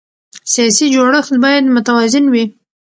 سیاسي جوړښت باید متوازن وي